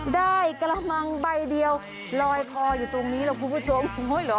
ได้กระมังใบเดียวลอยคออยู่ตรงนี้แล้วคุณผู้ชมโอ้ยเหรอ